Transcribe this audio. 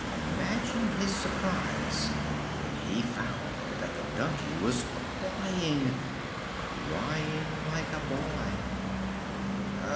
Imagine his surprise when he found that the donkey was crying crying like a boy!